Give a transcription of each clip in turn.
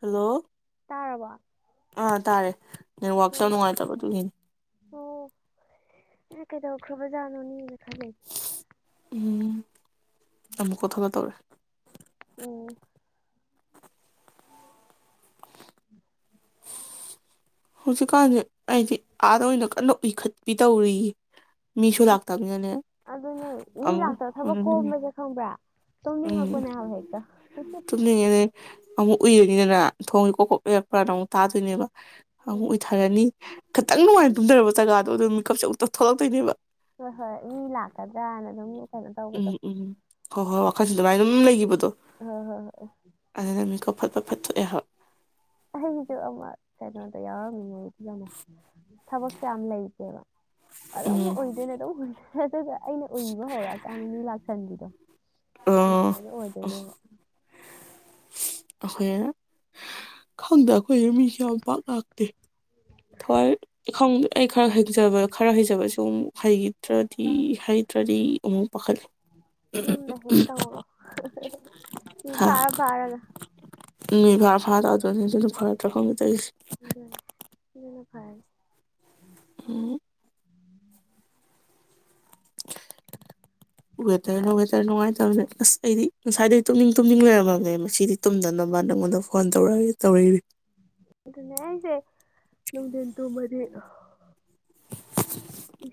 Hello ꯇꯥꯔꯕꯣ ꯑꯥ ꯇꯥꯔꯦ ꯅꯠꯋꯥꯛꯇ ꯎꯝ ꯅꯨꯡꯉꯥꯏꯇꯕ ꯇꯨꯅꯤ ꯑꯣ ꯅ ꯀꯩꯗꯧꯈ꯭ꯔꯕꯖꯥꯠꯅꯣꯅꯦ ꯎꯝ ꯑꯃꯨꯛ ꯀꯊꯂ ꯇꯧꯔꯦ ꯎꯝ ꯍꯧꯖꯤꯛꯀꯥꯟꯁꯦ ꯑꯩꯗꯤ ꯑꯥꯗ ꯑꯣꯏꯅ ꯀꯟꯅ ꯎꯈꯠꯄꯤ ꯇꯧꯔꯤꯌꯦ ꯃꯤꯁꯨ ꯑꯁ ꯂꯥꯛꯇꯕꯅꯤꯅꯅꯦ ꯑꯗꯨꯅꯦ ꯃꯤ ꯑꯃꯨꯛ ꯂꯥꯛꯇꯕ ꯊꯕꯛ ꯑꯗꯨꯗꯨꯅꯦ ꯀꯣꯝꯝꯕꯁꯦ ꯈꯪꯕ꯭ꯔꯥ ꯎꯝ ꯇꯄꯅꯦ ꯍꯥꯏ ꯍꯥꯏꯛꯇ ꯇꯨꯝꯅꯤꯡꯉꯦ ꯑꯗꯩ ꯑꯃꯨꯛ ꯎꯏꯔꯅꯤꯗꯅ ꯊꯣꯡꯒꯤ ꯀꯣꯛ ꯀꯣꯛ ꯂꯩꯔꯛꯄ꯭ꯔꯥꯅ ꯑꯃꯨꯛ ꯇꯥꯗꯣꯏꯅꯦꯕ ꯑꯃꯨꯛ ꯎꯝ ꯑꯣꯏꯊꯔꯅꯤ ꯈꯤꯇꯪ ꯅꯨꯡꯉꯥꯏꯅ ꯇꯨꯝꯖꯔꯕ ꯖꯒꯥꯗꯣ ꯑꯗꯨ ꯃꯤꯀꯞꯆ ꯎꯛꯇ ꯊꯣꯛꯂꯛꯇꯣꯏꯅꯦꯕ ꯍꯣꯏ ꯍꯣꯏ ꯃꯤ ꯂꯥꯛꯀꯗ꯭ꯔꯥꯅ ꯑꯗꯨꯝ ꯀꯩꯅꯣ ꯇꯧꯕꯗꯣ ꯎꯝ ꯎꯝ ꯍꯣ ꯍꯣꯏ ꯍ ꯈ ꯑꯗꯨꯃꯥꯏ ꯑꯗꯨꯝ ꯂꯩꯈꯤꯕꯗꯣ ꯑ ꯍꯣꯏ ꯍꯣꯏ ꯑꯐꯠ ꯐ ꯐꯠꯇ ꯊꯣꯛꯣꯛꯑꯦ ꯍꯕ ꯑꯩ ꯍꯧꯖꯤꯛ ꯑꯃ ꯀꯩꯅꯣꯗ ꯌꯥꯎꯔꯝꯃꯤ ꯃꯣꯗꯅ ꯊꯕꯛꯁꯨ ꯌꯥꯝ ꯂꯩꯇꯦꯕ ꯑꯗ ꯎꯝ ꯑꯣꯏꯗꯅꯦꯗ ꯍ ꯍꯦ ꯇꯒ [unintelligible] ꯑꯩꯅ ꯎꯏꯕ ꯍꯧꯔꯛꯑꯀꯥꯟꯗ ꯃꯤ ꯂꯥꯛꯁꯟꯕꯤꯗꯣ ꯑꯥ ꯅꯨꯡꯉꯥꯏꯕ ꯑꯣꯏꯗꯣꯏꯅꯦꯕ ꯑꯩꯈꯣꯏ ꯈꯪꯗ ꯑꯩꯈꯣꯏ ꯃꯤꯁꯨꯦ ꯌꯥꯝ ꯄꯥꯛ ꯂꯥꯛꯇꯦ ꯊꯋꯥꯏ ꯑꯩ ꯈꯔ ꯍꯖꯕ ꯈꯔ ꯍꯩꯖꯕꯁꯨ ꯑꯃꯨꯛ ꯍꯩꯈꯤꯗ꯭ꯔꯗꯤ ꯍꯩꯇ꯭ꯔꯗꯤ ꯑꯃꯨꯛ ꯄꯥꯈꯠꯂ ꯌꯗ ꯍꯦ ꯇ ꯍꯔꯣ ꯐꯥꯔ ꯥꯔꯒ ꯅꯣꯏ ꯐꯚꯔ ꯐꯥ ꯇꯧꯗꯣꯏꯅꯤ ꯑꯗꯨꯝ ꯐꯔꯠꯇ꯭ꯔꯥ ꯈꯣꯅ ꯇꯧꯁꯦ ꯑꯗꯨ ꯏꯅ ꯐꯥꯏ ꯎꯝ ꯋꯦꯗꯔꯅꯥ ꯋꯦꯗꯔ ꯅꯨꯪꯉꯥꯏ ꯑꯁ ꯑꯩꯗꯤ ꯉꯁꯥꯏꯗꯩ ꯇꯨꯝꯅꯤꯡ ꯇꯨꯝꯅꯤꯡ ꯂꯩꯔꯝꯃꯒꯦ ꯃꯁꯤꯗꯤ ꯇꯨꯝꯗꯅꯕ ꯅꯪꯉꯣꯟꯗ ꯐꯣꯟ ꯇꯧꯔ ꯇꯧꯔꯛ ꯑꯗꯨ ꯅꯦ ꯅꯅꯨꯡꯗꯦꯟ ꯇꯣ ꯃꯔꯤ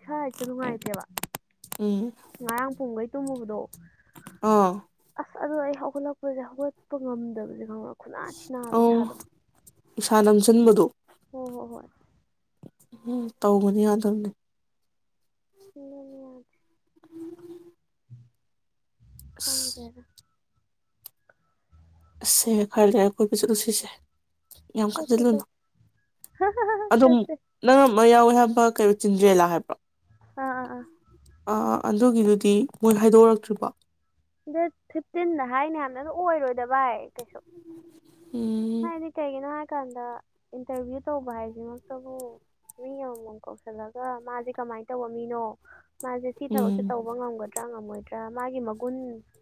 ꯍꯣꯏ ꯅꯨꯡꯉꯥꯏꯇꯦꯕꯥ ꯉꯔꯥꯡ ꯄꯣꯕꯩ ꯇꯃꯕꯗꯣ ꯑꯣ ꯍꯧꯒꯠꯂꯛꯄꯁꯦ ꯍꯧꯒꯠꯄ ꯉꯝꯗꯕꯁꯦ ꯈꯪꯛꯄ ꯈꯨꯂ ꯊꯤꯅꯥꯕꯤ ꯑꯧ ꯁꯥꯥꯗꯣ ꯏꯁꯥ ꯅꯝꯁꯤꯟꯕꯗꯣ ꯍꯣꯏ ꯍꯣ ꯍꯣꯏ ꯇꯧꯧꯕꯅꯤ ꯌꯥꯗꯕꯗꯤꯦ ꯅꯅꯌꯥꯔ ꯑꯁ ꯀꯪꯔꯔ ꯑꯁꯦ ꯈꯔ ꯂꯩꯔ ꯑꯩꯈꯣꯏꯕ ꯆꯠꯂꯨꯁꯤꯁꯦ ꯌꯥꯝ ꯆꯠꯁꯦ ꯈꯟꯖꯤꯜꯂꯨꯅꯨ ꯆꯠꯁꯦ ꯑꯗꯨꯝ ꯆꯠꯁꯦ ꯅꯪ ꯑꯃ ꯌꯥꯎꯋꯦ ꯍꯥꯏꯕ ꯀꯩꯣ ꯆꯤꯟꯖ꯭ꯔꯦꯦꯜꯂꯥ ꯍꯥꯏꯕ ꯑꯥ ꯑꯥ ꯑꯥ ꯑꯗꯨꯒꯤꯗꯨꯗꯤ ꯃꯣꯏ ꯍꯥꯏꯗꯣꯔꯛꯇ꯭ꯔꯤꯕ ꯑ ꯐꯤꯐꯇꯤꯟꯗ ꯍꯥꯏꯅꯤ ꯌꯥꯝꯅ ꯑꯗꯨꯝ ꯑꯣꯏꯔꯣꯏꯗꯕ ꯍꯥꯏ ꯀꯩꯁꯨ ꯎꯝ ꯍ ꯏꯠꯇ ꯍꯥꯏꯦꯅ ꯍꯧꯖꯤ ꯀꯥꯟꯗ ꯏꯟꯇꯔꯚꯤꯌꯨ ꯇꯧꯕ ꯍꯥꯏꯁꯤꯃꯛꯇꯕꯨ ꯃꯤ ꯑꯃꯃꯝ ꯀꯧꯁꯤꯜꯂꯒ ꯃꯥꯁꯦ ꯀꯃꯥꯏꯅ ꯇꯧꯕ ꯃꯤꯅꯣ ꯃꯥꯁꯦ ꯁꯤ ꯊꯕꯛꯁꯦ ꯎꯝ ꯇꯧꯕ ꯉꯝꯒꯗ꯭ꯔꯥ ꯉꯝꯃꯣꯏꯗ꯭ꯔꯥ ꯃꯥꯒꯤ ꯃ ꯒꯨꯟ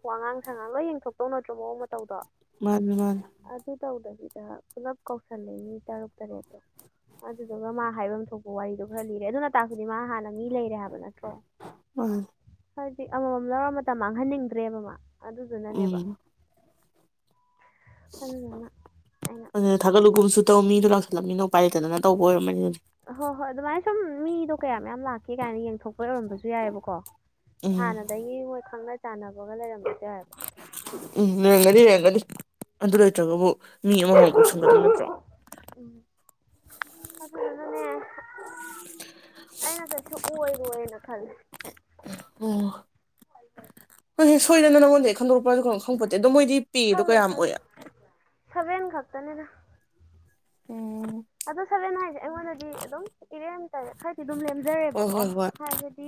ꯋꯥꯉꯥꯡ ꯁꯉꯥꯡꯒ ꯌꯦꯡꯊꯣꯛꯇꯧ ꯅꯠꯇ꯭ꯔꯣ ꯃꯑꯣꯡ ꯃꯇꯧꯗꯣ ꯃꯥꯅꯤ ꯃꯥꯅꯤ ꯑꯗꯨ ꯇꯧꯗꯕꯤꯗ ꯄꯨꯂꯞ ꯀꯧꯁꯜꯂꯦ ꯃꯤ ꯇꯔꯨꯛ ꯇꯔꯦꯠꯇꯣ ꯑꯗꯨꯗꯨꯒ ꯃꯥ ꯍꯥꯏꯐꯝ ꯊꯣꯛꯄ ꯋꯥꯔꯤꯗꯣ ꯈꯔ ꯂꯤꯔꯦ ꯑꯗꯨꯅ ꯇꯥꯛꯄꯗꯤ ꯃꯥ ꯍꯥꯟꯅ ꯃꯤ ꯂꯩꯔꯦ ꯍꯥꯏꯕ ꯅꯠꯇ꯭ꯔꯣ ꯃꯥꯅꯤ ꯍꯥꯏꯗꯤ ꯑꯃꯃꯝ ꯂꯧꯔ ꯃꯇꯝ ꯃꯥꯡꯍꯟꯅꯤꯡꯗ꯭ꯔꯦꯕꯃ ꯑꯗꯨꯗꯨꯅꯅꯦꯕ ꯎꯝ ꯑ ꯑꯩꯅ ꯑꯗꯨꯅ ꯊꯥꯒꯠꯂꯨꯒꯨꯝꯁꯨ ꯇꯧ ꯃꯤꯗꯨ ꯂꯥꯛꯁꯤꯜꯂꯂꯝꯃꯤꯅ ꯎ ꯄꯥꯏ ꯂꯩꯦꯇꯗꯅ ꯇꯧꯕ ꯑꯣꯏꯔꯝꯅꯤꯅ ꯍꯣ ꯍꯣꯏ ꯑꯗꯨ ꯃꯥꯥꯏ ꯃꯤꯗꯣ ꯀꯩ ꯃꯌꯥꯝ ꯂꯥꯛꯀꯦ ꯀꯥꯏꯅ ꯌꯦꯡꯊꯣꯛꯄ ꯑꯣꯏꯔꯝꯕꯁꯨ ꯌꯥꯏꯑꯕꯀꯣ ꯎꯝ ꯍꯥꯟꯅꯗꯒꯤ ꯃꯣꯏ ꯈꯪꯅ ꯁꯥꯟꯅꯕꯒ ꯂꯩꯔꯝꯃꯦ ꯎꯝ ꯃꯦꯒꯗꯤ ꯌꯦꯦꯒꯗꯤ ꯑꯗꯨꯗꯔꯣ ꯆꯒꯕꯨ ꯃꯤ ꯑꯃꯃꯝ ꯀꯣꯛ ꯁꯨꯝꯒꯗꯕ ꯅꯠꯇ꯭ꯔꯣ ꯎꯝ ꯑꯗꯨꯗꯨꯅꯅꯦ ꯈꯂꯦ ꯑꯣ ꯍ ꯁꯣꯏꯗꯅꯅꯃꯣ ꯂꯩ ꯈꯟꯗꯛꯄꯗ ꯈꯪꯄꯠꯇ ꯑꯗꯣꯣꯏꯗꯤ ꯄꯤꯗꯨ ꯀꯌꯥꯝ ꯑꯣꯏ ꯁꯕꯦꯟ ꯈꯛꯇꯅꯦꯅ ꯎꯝ ꯑꯗꯣ ꯁꯔꯦꯟꯅ ꯍꯥꯏꯁꯦ ꯑꯩꯉꯣꯟꯗꯗꯤ ꯑꯗꯨꯝ ꯏꯔꯦꯝꯇ ꯈꯔꯗꯤ ꯑꯗꯨꯝ ꯍꯣꯏ ꯂꯦꯝꯖꯔꯦꯕꯀꯣ ꯍꯣꯏ ꯍꯣꯏ ꯍꯥꯏꯕꯗꯤ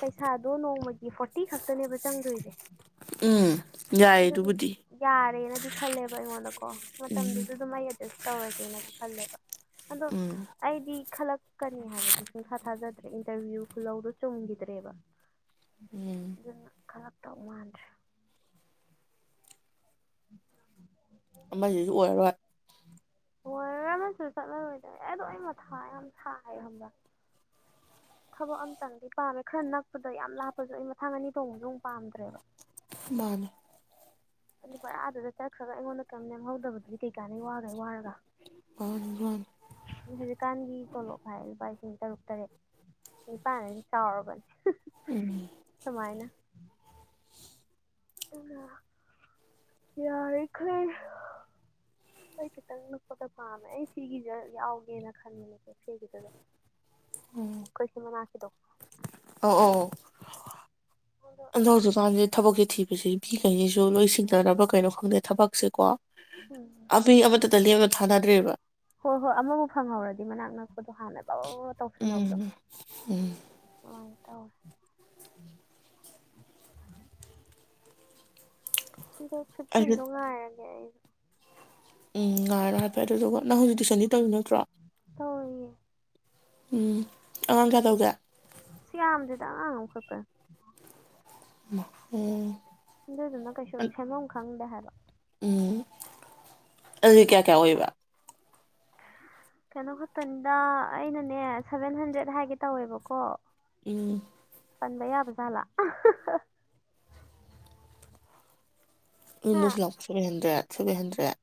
ꯄꯩꯁꯥꯗꯣ ꯅꯣꯡꯃꯒꯤ ꯐꯣꯔꯇꯤ ꯈꯛꯇꯅꯦꯕ ꯆꯪꯗꯣꯏꯁꯦ ꯎꯝ ꯌꯥꯏꯌꯦ ꯑꯗꯨꯕꯨꯗꯤ ꯌꯥꯔꯦꯅ ꯗꯤꯈꯜꯦꯕꯕꯥ ꯏ ꯀꯣ ꯎꯝ ꯃꯇꯝꯗꯨꯁꯨ ꯑꯗꯨꯝ ꯑꯩ ꯑꯦꯗꯖꯁ ꯇꯧꯔꯒꯦꯅꯗꯤ ꯈꯜꯂꯦ ꯑꯗꯣ ꯎꯝ ꯑꯩꯗꯤ ꯈꯜꯛ ꯆꯀꯅꯤ ꯍꯥꯏꯕꯗꯨ ꯁꯨꯡꯊꯥ ꯊꯥꯖꯗ ꯏꯟꯇꯔꯚꯤꯌꯨ ꯂꯧꯗꯣ ꯆꯣꯡꯈꯤꯗ꯭ꯔꯦꯕ ꯎꯝ ꯀꯔꯞ ꯇꯞ ꯃꯥꯟ꯭ꯔꯦ ꯎꯝ ꯑꯃꯁꯤꯁꯨ ꯑꯣꯏꯔꯔꯣꯏ ꯍꯣꯏ ꯔꯃꯁꯨ ꯆꯠꯂꯔꯣꯏꯗꯣꯏꯦ ꯑꯦ ꯑꯗꯨꯣ ꯑꯩ ꯃꯊꯥ ꯌꯥꯝ ꯊꯥꯏ ꯈꯕ ꯊꯕꯛ ꯑꯝꯇꯪꯗꯤ ꯄꯥꯝꯃꯦ ꯈꯔ ꯅꯛꯄꯗ ꯌꯥꯝ ꯂꯥꯞꯄꯁꯨ ꯑꯩ ꯃꯊꯥꯡ ꯑꯅꯤ ꯊꯣꯡꯕꯁꯨ ꯑꯃꯨ ꯄꯥꯝꯗ꯭ꯔꯦꯕ ꯃꯥ ꯑꯗꯨ ꯕꯔꯥꯗꯨꯗ ꯆꯠꯈ꯭ꯔꯒ ꯑꯩꯉꯣꯟꯗ ꯀꯌꯥꯝ ꯅꯦꯝꯍꯧꯗꯕꯗꯨ ꯀꯩꯀꯥꯟꯗꯩ ꯋꯥꯈꯩ ꯋꯥꯔꯒ ꯃꯥꯅꯤ ꯃꯥꯅꯤ ꯍꯧꯖꯤꯛꯀꯥꯟꯒꯤ ꯇꯣꯂꯣꯞ ꯍꯥꯏ ꯂꯨꯚꯥꯏꯁꯦ ꯇꯔꯨꯛ ꯇꯔꯦꯠꯄꯥꯥꯟꯅꯗꯤ ꯆꯥꯎꯔꯕꯅꯤ ꯑꯦ [unintelligible] ꯎꯅ [unintelligible] ꯌꯥꯔꯤ ꯈꯩ꯫ ꯑꯩ ꯈꯤꯇꯪ ꯅꯨꯞꯄꯒ ꯄꯥꯝꯃꯦ ꯑꯩ ꯁꯤꯒꯤꯁ ꯌꯥꯎꯒꯦꯅ ꯈꯟꯕꯅꯦꯕ ꯁꯤꯒꯤꯗꯨꯗ꯫ ꯈꯣꯏ [unintelligible] ꯑꯣ ꯑꯣ [unintelligible] ꯑꯗꯣ ꯍꯧꯖꯤꯀꯥꯟꯖꯦ ꯊꯕꯛꯁꯤ ꯊꯤ [inaudible] ꯐꯤ ꯀꯩꯅꯤꯁꯨ ꯂꯣꯏ ꯁꯤꯡꯗꯅꯕ ꯀꯩꯅꯣ ꯈꯪꯗꯦ ꯊꯕꯛꯁꯦ ꯀꯣ ꯎꯝ ꯑꯕꯤ ꯑꯕ ꯇꯗ ꯂꯦ [unintelligible] ꯊꯥꯅꯗ꯭ꯔꯦꯕ ꯍꯣꯏ ꯍꯣꯏ ꯑꯃꯕꯨ ꯐꯪꯍꯧꯔꯗꯤ ꯃꯅꯥꯛ ꯅꯛꯄꯗ ꯍꯥꯟꯅ ꯕꯕꯕ ꯇꯧꯁꯤꯟꯍꯧꯕꯗꯣ ꯎꯝ ꯑꯡ ꯇꯧꯑꯦ [unintelligible] ꯗꯦꯠ ꯑꯩꯁꯨ ꯐꯤꯞꯇꯤꯟꯗꯣ ꯉꯥꯏꯔꯒꯦ ꯑꯩ ꯎꯝ ꯉꯥꯔꯣ ꯍꯥꯏꯐꯦꯠ ꯑꯗꯨꯗꯨꯒ ꯅꯪ ꯍꯧꯖꯤꯛ ꯇꯨꯏꯁꯟꯗꯤ ꯇꯪ ꯅꯠꯇ꯭ꯔꯣ ꯇꯧꯔꯤꯌꯦ ꯎꯝ ꯑꯉꯥꯡ ꯀꯌꯥ ꯇꯧꯒꯦ ꯁꯤ ꯌꯥꯝꯗꯦꯗ ꯑꯉꯥꯡ ꯑꯃ ꯈꯛꯇꯅꯤ ꯃꯥ ꯎꯝ ꯑꯗꯨꯗꯨꯅ ꯀꯩꯁꯨ ꯁꯦꯝꯕꯝ ꯈꯪꯗꯦ ꯍꯥꯏ ꯑ [inaudible] ꯎꯝ ꯑꯗꯨꯗꯤ ꯀꯌꯥ ꯀꯌꯥ ꯑꯣꯏꯕ ꯀꯩꯅꯣ ꯈꯠꯇꯅꯤꯗ ꯑꯩꯅꯅꯦ ꯁꯚꯦꯟ ꯍꯟꯗ꯭ꯔꯦꯠ ꯍꯥꯏꯒꯦ ꯇꯧꯋꯦꯕꯀꯣ ꯎꯝ [unintelligible] ꯄꯟꯕ ꯌꯥꯕꯖꯥꯠꯂ [inaudible] ꯍꯥ ꯊ꯭ꯔꯤ ꯍꯟꯗ꯭ꯔꯦꯠ ꯊ꯭ꯔꯤꯚꯤ ꯍꯟꯗ꯭ꯔꯦꯠ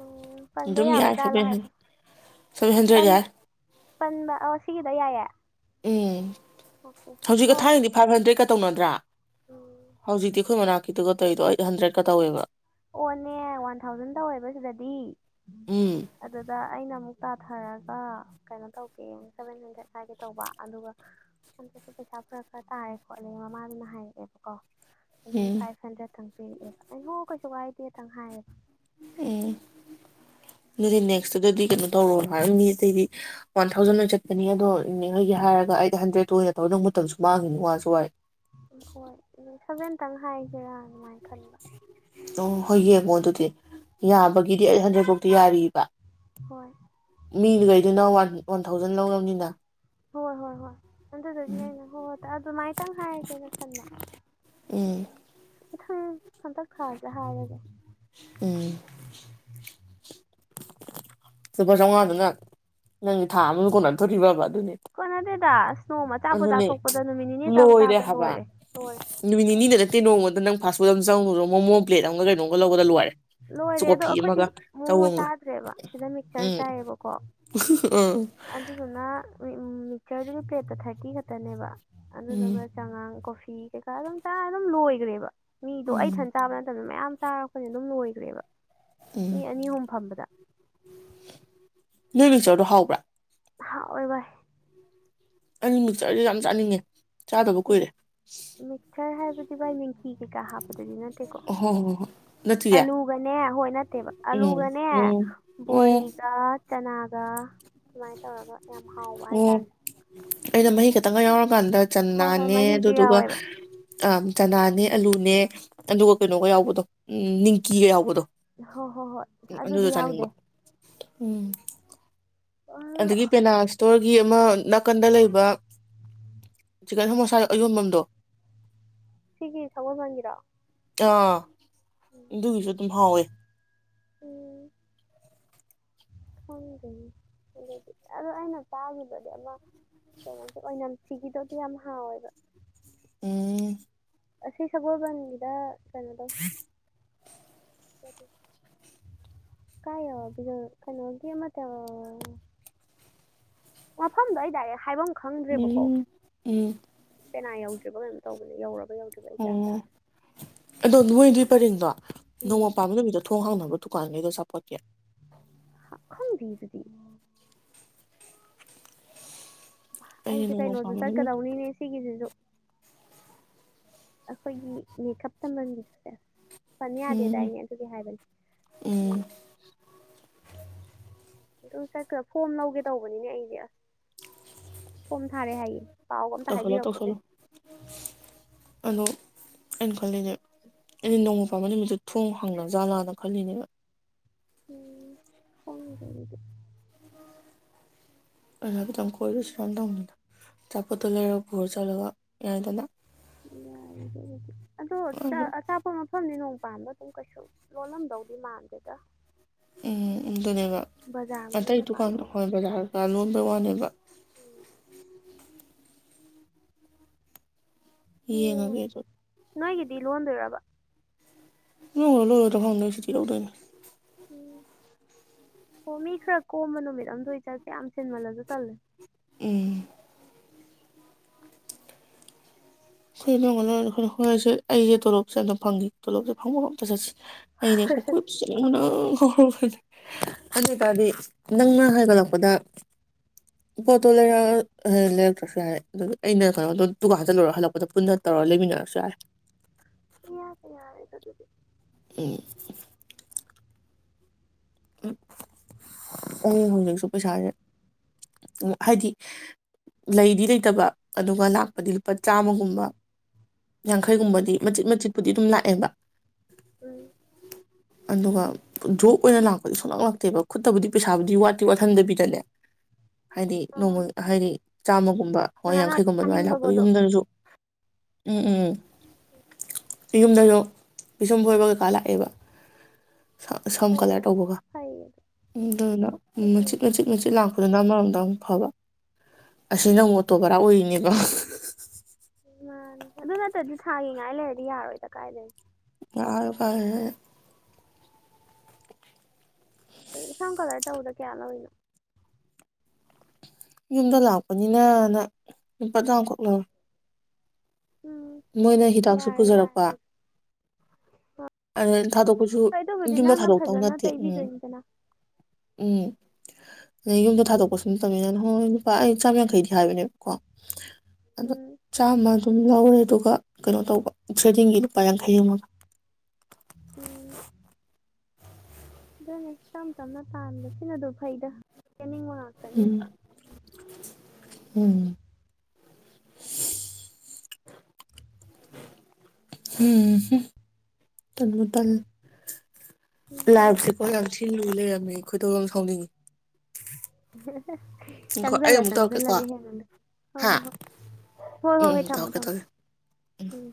ꯎꯝ ꯄꯟꯕ ꯑꯗꯨꯝ ꯌꯥꯕ ꯌꯥꯏ ꯖꯥꯠꯂꯥ ꯁꯚꯦꯟ ꯍꯟ ꯍꯥꯏꯕ ꯁꯚꯦꯟ ꯄꯟ ꯍꯟꯗ꯭ꯔꯦꯠ ꯌꯥꯏ ꯄꯟꯕ ꯑꯣ ꯁꯤꯒꯤꯗ ꯌꯥꯏꯌꯦ ꯎꯝ ꯑꯣꯀꯦ ꯍꯧꯖꯤꯛꯀ ꯑꯣꯀꯦ ꯊꯥꯏꯅꯗꯤ ꯐꯥꯏꯚ ꯍꯟꯗ꯭ꯔꯦꯠꯀ ꯇꯧꯅꯗ꯭ꯔꯥ ꯎꯝ ꯍꯧꯖꯤꯛꯇꯤ ꯑꯩꯈꯣꯏ ꯃꯅꯥꯛꯀꯤꯗꯨꯒ ꯇꯧꯏꯗꯣ ꯑꯩꯠ ꯍꯟꯗ꯭ꯔꯦꯠꯀ ꯇꯧꯋꯦꯕ ꯑꯣꯅꯦ ꯋꯥꯟ ꯊꯥꯎꯖꯟ ꯇꯧꯋꯦꯕ ꯁꯤꯗꯗꯤ ꯎꯝ ꯑꯗꯨꯗ ꯑꯩꯅ ꯑꯃꯨꯛ ꯇꯥꯊꯔꯒ ꯀꯩꯅꯣ ꯇꯧꯒꯦꯅ ꯁꯚꯦꯟ ꯍꯟꯗ꯭ꯔꯦꯗ ꯍꯥꯏꯒꯦ ꯇꯧꯕ ꯑꯗꯨꯒ ꯍꯟꯗꯛꯇꯨ ꯄꯩꯁꯥ ꯐꯔꯛ ꯈꯔ ꯇꯥꯔꯦ ꯈꯣꯠꯂꯦ ꯃꯃꯥꯗꯨꯅ ꯍꯥꯏꯔꯛꯑꯦꯕꯀꯣ ꯑꯗꯨꯒꯤ ꯎꯝ ꯐꯥꯏꯚ ꯍꯟꯗ꯭ꯔꯦꯗ ꯊꯪ ꯄꯤꯔꯛꯑꯦꯕ ꯑꯩ ꯍꯣ ꯀꯩ ꯋꯥꯥꯏꯗꯦ ꯊꯪ ꯍꯥꯏꯌꯦꯕ ꯎꯝ ꯗꯨꯗꯤ ꯑꯗꯨꯗ ꯅꯦꯛꯁ ꯇ ꯑꯗꯨꯗꯤ ꯀꯩꯅꯣ ꯇꯧꯔꯣ ꯍꯥꯏꯔꯣ ꯅꯦ ꯑꯇꯩꯗꯤ ꯋꯥꯟ ꯊꯥꯎꯖꯟ ꯂꯣꯏ ꯆꯠꯄꯅꯤ ꯑꯗꯣ ꯅꯦꯍꯣꯏꯒꯤ ꯍꯥꯏꯔꯒ ꯑꯩꯠ ꯍꯟꯗ꯭ꯔꯦꯠꯇꯣ ꯑꯣꯏꯅ ꯇꯧ ꯅꯪ ꯃꯇꯝꯁꯨ ꯃꯥꯡꯉꯤꯅꯤ ꯋꯥꯁꯨ ꯋꯥꯏ ꯎꯣꯏ ꯁꯕ ꯈꯤꯇꯪ ꯍꯥꯏꯒꯦꯔꯥ ꯃꯃꯥꯏ ꯈꯅ ꯑꯣ ꯍꯣꯏ ꯌꯦꯡꯉꯣ ꯑꯗꯨꯗꯤ ꯌꯥꯕꯒꯤꯗꯤ ꯑꯩ ꯍꯟꯗꯛꯐꯥꯎꯇ ꯌꯥꯔꯤꯕ ꯍꯣꯏ ꯃꯤꯗꯨ ꯀꯩꯗ ꯅ ꯋꯥꯟ ꯊꯥꯎꯖꯟ ꯂꯧꯅꯕꯔꯕꯅꯤꯗ ꯍꯣꯏ ꯍꯣꯏ ꯍꯣꯏ ꯑꯗꯨꯗꯒꯤ ꯑꯩꯅ ꯍꯣꯏ ꯍꯣꯏ ꯑꯗꯨꯃꯥꯏꯇꯪ ꯍꯥꯏꯔꯒꯦꯅ ꯈꯟꯕ ꯎꯝ ꯃꯊꯪ ꯍꯟꯇꯛ ꯈꯥꯔꯁꯦ ꯍꯥꯏꯔꯒꯦ ꯎꯝ ꯁꯨꯄ ꯁꯉꯗꯅ ꯅꯪꯒꯤ ꯊꯥ ꯑꯃ ꯀꯣꯟꯅꯊꯣꯔꯤꯕꯕ ꯑꯗꯨꯅꯦ ꯀꯣꯟꯅꯗꯦꯗ ꯑꯁ ꯅꯣꯡꯃ ꯑꯆꯥꯄꯣ ꯑꯗꯨꯅꯦ ꯆꯥꯊꯣꯛꯄꯗ ꯅꯨꯃꯤꯠ ꯅꯤꯅꯤ ꯑꯆꯥꯄꯣ ꯂꯣꯏꯔꯦ ꯆꯥꯕꯗ ꯍꯥꯏꯕ ꯂꯣꯏꯔꯦ ꯂꯣꯏꯔꯦ ꯅꯨꯃꯤꯠ ꯅꯤꯅꯤꯗ ꯅꯠꯇꯦ ꯅꯣꯡꯃꯗ ꯑ ꯅꯪ ꯐꯥꯁ ꯐꯨꯗ ꯑꯃ ꯆꯪꯉꯗꯣ ꯄ꯭ꯂꯦꯠ ꯑꯃꯒ ꯀꯩꯅꯣꯒ ꯂꯧꯒ ꯂꯣꯏꯔꯦ ꯂꯣꯏꯔꯦ ꯑꯗꯣ ꯀꯣꯐꯤ ꯑꯩꯈꯣꯏꯗꯤ ꯑꯃꯒ ꯃꯣꯃꯣ ꯆꯧ ꯑꯃꯒ ꯆꯥꯗ꯭ꯔꯦꯕ ꯁꯤꯗ ꯆꯔ ꯎꯝ ꯇꯥꯏꯌꯦꯕꯀꯣ ꯑ ꯑꯗꯨꯗꯨꯅ ꯃꯤꯛꯆꯔꯗꯨꯒꯤ ꯄ꯭ꯂꯦꯠꯇ ꯊꯥꯔꯇꯤ ꯈꯛꯇꯅꯦꯕ ꯎꯝ ꯑꯗꯨꯗꯨꯒ ꯆꯥꯉꯥꯡ ꯀꯣꯐ ꯊ ꯀ ꯑꯗꯨꯝ ꯇ ꯂꯣꯋꯒ ꯔꯦꯕ ꯃꯤꯗꯣ ꯑꯩ ꯎꯝ ꯏꯊꯟ ꯆꯥꯕ ꯅꯠꯇꯕꯗ ꯃꯌꯥꯝ ꯆꯥꯔꯛꯄꯅꯤ ꯑꯗꯨꯝ ꯂꯣꯏ ꯐ ꯃꯤ ꯑꯅꯤ ꯑꯍꯨꯝ ꯐꯝꯕꯗ ꯅ ꯃꯤꯆꯣꯔꯗꯣ ꯍꯥꯎꯕ꯭ꯔꯥ ꯍꯥ ꯑꯣꯏꯚ ꯑꯅꯤ ꯃꯤꯇꯔꯗꯤ ꯌꯥꯝ ꯆꯥꯅꯤꯡꯉꯦ ꯆꯥꯗꯕ ꯀꯨꯏꯔꯦ ꯃꯤ ꯐꯤ ꯀꯩꯀꯥ ꯍꯥꯞꯄꯗꯗꯤ ꯅꯠꯇꯦꯀꯣ ꯑꯣ ꯍꯣ ꯍꯣ ꯍꯣꯏ ꯅꯠꯇꯤꯌꯦ ꯑꯂꯨꯒꯅꯦ ꯍꯣꯏ ꯠꯇꯦꯕ ꯎꯝ ꯑꯂꯨꯒꯅꯦ ꯎꯝ ꯎꯝ ꯕꯣꯔꯤꯒ ꯆꯅꯥꯒ ꯁꯨꯃꯥꯏꯅ ꯇꯧꯔꯒ ꯌꯥꯝ ꯍꯥꯎꯕ ꯍꯥꯏꯇꯥꯔꯦ ꯪ ꯀ ꯀꯥꯟꯗ ꯍꯣꯏ ꯍꯣꯏ ꯆꯅꯥꯅꯦ ꯃꯍꯤꯁꯨ ꯑꯗꯨꯗꯨꯒ ꯌꯥꯎꯋꯦꯕ ꯑ ꯆꯅꯥꯅꯦ ꯑꯂꯨꯅꯦ ꯑꯗꯨꯒ ꯀꯩꯅꯣꯒ ꯌꯥꯎꯕꯗꯣ ꯎꯝ ꯅꯤꯡꯀꯤꯒ ꯌꯥꯎꯕꯗꯣ ꯍꯣꯏ ꯍꯣꯏ ꯎꯝ ꯍꯣꯏ ꯑꯗꯨꯗꯣ ꯑꯗꯨꯗꯤ ꯆꯥꯅꯤꯡꯕ ꯌꯥꯎꯗꯦ ꯎꯝ ꯑ ꯑꯗꯒꯤ ꯄꯦꯅꯥꯁꯇ ꯒꯤ ꯑꯃ ꯅꯥꯀꯟꯗ ꯂꯩꯕ ꯆꯤꯀꯟ ꯍꯃꯣꯁꯥ ꯑꯌꯣꯟꯐꯝꯝꯗꯣ ꯁꯤꯒꯤ ꯁꯃꯝ ꯋꯥ ꯉꯔꯥ ꯑ ꯑꯗꯨꯒꯤꯁꯨ ꯑꯗꯨꯝ ꯍꯥꯎꯋꯦ ꯎꯝ ꯑꯗꯨꯗꯤ ꯑꯗꯣ ꯑꯩꯅ ꯇꯥꯈꯤꯕꯗꯤ ꯑꯃ ꯀꯩꯅꯣꯁꯦ ꯑꯣꯏꯅꯝ ꯐꯤꯒꯤꯗꯣ ꯑꯗꯨ ꯌꯥꯝ ꯍꯥꯎꯋꯦꯕ ꯎꯝ ꯁꯤ ꯁꯕꯣꯜꯕꯟꯒꯗ ꯎꯝ ꯔꯤ ꯀꯥꯏ ꯀꯩꯅꯣꯒꯃ ꯇ ꯃꯐꯝꯗꯣ ꯑꯣꯏꯇꯥꯏꯔꯦ ꯍꯥꯏꯕꯪ ꯈꯪꯗ꯭ꯔꯦꯕꯀꯣ ꯎꯝ ꯎꯝ ꯀꯦꯅꯥ ꯌꯧ ꯇꯧꯕꯅꯦ ꯌ ꯑꯣꯝ ꯗꯣꯗꯗꯤ ꯄꯔꯤꯡꯗꯣ ꯅꯣꯡꯃ ꯎꯝ ꯄꯥꯟꯕꯝꯕ ꯅꯨꯃꯤꯠꯇ ꯊꯣꯡ ꯍꯥꯎꯅꯕ ꯊꯨꯀꯥꯟꯦꯗ ꯁꯞꯄ ꯀꯌꯥ ꯕꯤꯗꯨꯕꯤ ꯑꯩꯗꯤ ꯑꯩꯁꯦ ꯅꯣꯡꯃ ꯀꯩꯅꯣꯁꯨ ꯄꯥꯟꯕ ꯅꯨꯃꯤꯠꯇ ꯆꯠꯀꯗꯧꯅꯤꯅꯦ ꯁꯤꯒꯤꯁꯤꯁꯨ ꯑꯩꯈꯣꯏꯒꯤ ꯃꯦꯀꯞꯇ ꯂ ꯆꯁ ꯐꯟ ꯎꯝ ꯌꯥꯗꯦꯗꯏꯅꯦ ꯑꯗꯨꯒꯤ ꯍꯥꯏꯕꯅꯦ ꯎꯝ ꯑꯗꯨꯝ ꯆꯠꯈ ꯐꯣꯝ ꯂꯧꯒꯦ ꯇꯧꯕꯅꯤꯅꯦ ꯑꯩꯗꯤ ꯑꯁ ꯐꯣꯝ ꯊꯥꯔꯦ ꯍꯥꯏꯌꯦ ꯄꯥꯎꯒ ꯑꯝꯇ ꯇꯧꯁꯜꯂꯣ ꯍꯥꯏꯕꯤꯔꯛꯄꯅꯦ ꯇꯧꯁꯜꯂꯣ ꯑꯗꯣ ꯑꯩꯅ ꯈꯜꯂꯤꯅꯦ ꯑꯩꯅ ꯅꯣꯡꯃ ꯄꯥꯟꯕꯝꯕ ꯅꯨꯃꯤꯠꯇ ꯊꯣꯡ ꯍꯥꯡꯅ ꯖꯥꯠꯂꯥꯅ ꯈꯜꯂꯤꯅꯦꯕ ꯎꯝ ꯍꯗꯤ ꯑꯗꯨ ꯍꯥꯏꯐꯦꯠꯇꯪ ꯀꯣꯏꯔꯨꯁꯤ ꯔꯟ ꯇꯧꯅꯤꯅ ꯑꯆꯥꯄꯣꯠꯇꯣ ꯂꯩꯔꯒ ꯔ ꯆꯠꯂꯒ ꯌꯥꯗꯅ ꯌꯥ ꯑꯗꯣ ꯑꯆꯥꯞꯄ ꯃꯐꯝꯅꯤ ꯅꯅꯨꯡ ꯃ ꯄꯥꯟꯕ ꯑꯗꯨꯝ ꯀꯩꯁꯨ ꯂꯣꯜꯂꯝꯗꯧꯗꯤ ꯃꯥꯟꯗꯦꯗ ꯎꯝ ꯑꯗꯨꯅꯦꯕ ꯕꯖꯥꯔ ꯃꯅꯨꯡ ꯑꯇꯩ ꯀꯀꯥ ꯗꯨꯀꯥꯟꯗ ꯂꯣꯜꯂꯁꯨ ꯍꯣꯏ ꯕꯖꯥꯔꯒ ꯂꯣꯟꯕꯩ ꯋꯥꯅꯦꯕ ꯎꯝ, ꯍ ꯉꯒꯦ ꯅꯣꯏꯒꯗꯤ ꯂꯣꯟꯗꯣꯏꯔꯕꯔꯕ [unintelligible] ꯍꯣ ꯃꯤ ꯈꯔ ꯀꯣꯝꯕ ꯅꯨꯃꯤꯠ ꯑꯝꯗ ꯑꯣꯏ ꯆꯠꯁꯦ ꯌꯥꯝ ꯁꯤꯟꯃꯜꯂꯁꯨ ꯇꯜꯂꯦ ꯑꯦ [unintelligible] ꯍꯣꯏꯁꯦ ꯑꯩꯁꯦ ꯇꯣꯂꯞꯁꯦꯝ ꯐꯪꯒꯦ ꯇꯣꯂꯣꯞꯁꯦ ꯐꯪꯕꯒ ꯑꯝꯇ ꯆꯠꯁꯤ [unintelligible] ꯑꯗꯨ ꯍꯪꯉꯣ ꯑꯣꯏꯇꯥꯔꯗꯤ ꯅꯪꯅ ꯍꯥꯏꯒꯠꯂꯛꯄꯗ ꯄꯣꯠꯇꯣ ꯂꯩꯔ ꯂꯩꯔꯛꯇ꯭ꯔꯁꯨ ꯌꯥꯔꯦ ꯑꯗꯨ ꯑꯩꯅ ꯀꯩꯅꯣꯗ ꯗꯨꯀꯥꯟ ꯆꯠꯂꯨꯔ ꯍꯜꯂꯛꯄ ꯄꯨꯅ ꯇꯧꯔ ꯂꯩꯃꯤꯟꯅꯔꯁꯨ ꯌꯥꯔꯦ ꯏꯌꯥꯇꯥ ꯌꯥꯔꯦ ꯑꯗꯨꯗꯤ ꯎꯝ ꯍꯣꯡꯖꯤꯛꯁꯨ ꯄꯩꯁꯥꯁꯦ ꯍꯥꯏꯗꯤ ꯂꯩꯗꯤ ꯂꯩꯇꯕ ꯑꯗꯨꯒ ꯂꯥꯛꯄꯗꯤ ꯂꯨꯄꯥ ꯆꯥꯝꯃꯒꯨꯝꯕ ꯎꯝ ꯌꯥꯡꯈꯩꯒꯨꯝꯕꯗꯤ ꯃꯆꯤꯠ ꯃꯆꯤꯠ ꯗꯤ ꯑꯗꯨꯝ ꯂꯥꯛꯑꯦꯕ ꯎꯝ ꯑꯗꯨꯒ ꯖꯣꯞ ꯑꯣꯏꯅ ꯂꯥꯛꯄ ꯁꯨꯡꯂꯛꯂꯛꯇꯦꯕ ꯈꯨꯠꯇꯕꯨꯗꯤ ꯄꯩꯁꯥꯕꯨꯗꯤ ꯋꯥꯠꯇꯤ ꯋꯥꯠꯍꯟꯗꯕꯤꯗꯅꯦ ꯍꯥꯏꯗꯤ ꯅꯣꯡꯃ ꯑꯥ ꯍꯥꯏꯗꯤ ꯆꯝꯃꯒꯨ ꯍꯣꯏ ꯉꯥꯏꯍꯥꯛ ꯉꯥꯏꯍꯥꯛ ꯌꯥꯡꯈꯩꯒꯨꯝꯕ ꯑꯗꯨꯃꯥꯏꯅ ꯂꯥꯛꯄ ꯆꯥꯅꯤꯡꯕꯒꯗꯣ ꯌꯨꯝꯗꯖꯨ ꯎꯝ ꯎꯝ ꯌꯨꯝꯗꯁꯨ ꯄꯤꯁꯨꯝ ꯐꯣꯏꯕ ꯀꯩꯀꯥ ꯂꯥꯛꯑꯦꯕ ꯁꯝ ꯑꯣ ꯀꯂꯔ ꯑꯣ ꯇꯧꯕꯒ ꯐꯩꯌꯦ ꯑꯗꯨ ꯑꯗꯨꯗꯨꯅꯥ ꯑꯗꯨ ꯃꯆꯤꯠ ꯐꯩꯌꯦ ꯃꯆꯤꯠ ꯃꯆꯤꯥꯠ ꯂꯛ ꯂꯥꯛꯄꯗꯨꯅ ꯑꯃꯔꯣꯝꯗ ꯑꯃꯨꯛ ꯐꯕ ꯑꯁꯤ ꯅꯪ ꯎꯝ ꯑꯃꯨꯛ ꯑꯣꯇꯣ ꯚꯔꯥ ꯑꯣꯏꯔꯤꯅꯦ [unintelligible] ꯃꯅꯤ ꯑꯗꯨ ꯅꯠꯇ꯭ꯔꯗꯤ ꯊꯥꯒꯤ ꯉꯥꯏ ꯂꯩꯔꯗꯤ ꯌꯥꯔꯔꯣꯏꯗ ꯀꯥꯏꯗꯩꯅꯣ [unintelligible] ꯁꯝ ꯀꯂꯔ ꯇꯧꯕꯗ ꯀꯌꯥ ꯂꯧꯏꯅꯣ ꯌꯨꯝꯗ ꯂꯥꯛꯄꯅꯤꯅ ꯅ ꯂꯨꯄꯥ ꯆꯥꯝꯈꯛ ꯂꯧꯏ ꯎꯝ ꯃꯣꯏꯅ ꯍꯤꯗꯥꯛꯁꯨ ꯌꯥꯔꯦ ꯌꯥꯔꯦ ꯄꯨꯖꯔꯛꯄ ꯑꯗꯨꯗꯤ ꯑꯗꯩꯩ ꯊꯥꯗꯣꯛꯄꯁꯨ ꯍꯣꯏ ꯑꯗꯨꯕꯨꯗꯤ ꯌꯨꯝꯗ ꯅꯪꯅ ꯊꯥꯗꯣꯛꯇꯧ ꯐꯖꯅ ꯅꯠꯇꯦ ꯎꯝ ꯇꯩꯕꯤꯗꯣꯏꯅꯤꯗꯅ ꯎꯝ ꯌꯨꯝꯗ ꯊꯥꯗꯣꯛꯄꯁꯨ ꯅꯥꯠꯇꯝꯃꯤꯅ ꯍꯣꯏ ꯑꯩ ꯆꯥꯝ ꯌꯥꯡꯈꯩꯗꯤ ꯍꯥꯏꯕꯅꯦꯕ ꯀꯣ ꯎꯝ ꯆꯥꯝꯃꯥ ꯗꯨꯝ ꯂꯧꯔꯦ ꯑꯗꯨꯒ ꯀꯩꯅꯣ ꯇꯧꯕ ꯊ꯭ꯔꯦꯗꯤꯡꯒꯤ ꯂꯨꯄꯥ ꯌꯥꯡꯈꯩ ꯑꯃꯒ ꯎꯝ ꯑꯗꯨꯅꯦ ꯇꯞ ꯇꯞꯅ ꯇꯥꯟꯕꯁꯤꯅ ꯑꯗꯨ ꯐꯩꯗ ꯆꯦꯟꯅꯤꯡꯕ ꯉꯥꯛꯇꯅꯤ ꯎꯝ ꯎꯝ ꯎꯝ ꯇꯞꯅ ꯇꯞꯅ ꯂꯥꯎꯁꯤ ꯀꯣ ꯂꯁꯤ ꯂꯩꯔꯝꯃꯦ ꯈꯣꯏꯗꯧ ꯌꯥꯝ ꯁꯥꯎꯅꯤꯡꯉꯤ ꯉꯥꯏꯈꯣ ꯑꯩ ꯆꯪꯖꯂ ꯑꯃꯨꯛ ꯇꯧꯔꯛꯀꯦꯀꯣ ꯆꯪꯖꯂꯒꯦ ꯍꯦꯅꯗ ꯍ ꯍꯥ ꯍꯣ ꯍꯣꯏ ꯍꯣꯏ ꯎꯝ ꯍꯣꯏ ꯎꯝ ꯍꯣꯏ ꯊꯝꯃꯣ ꯇꯧꯔꯛꯀꯦ ꯊꯝꯃ‌ꯣ ꯇꯧꯔꯛꯀꯦ ꯎꯝ